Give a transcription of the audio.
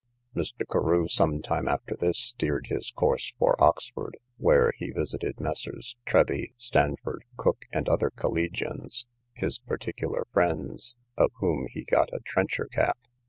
Mr. Carew, some time after this, steered his course for Oxford, where he visited Messrs. Treby, Stanford, Cooke, and other collegians, his particular friends, of whom he got a trencher cap.